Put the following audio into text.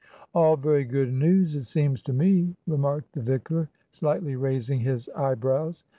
"All very good news, it seems to me," remarked the vicar, slightly raising his eyebrows.